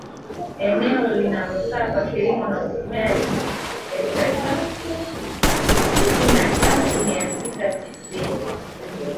Eneo linalofaa kwa kilimo naufugaji hekta laki tatu sitini na tatu mia sita tisini